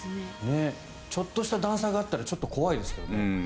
ちょっとした段差があったら怖いですけどね。